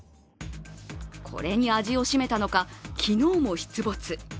これに味をしめたのか昨日も出没。